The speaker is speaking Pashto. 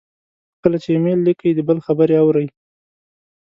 خو کله چې ایمیل لیکئ، د بل خبرې اورئ،